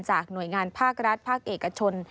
หน่วยงานภาครัฐภาคเอกชน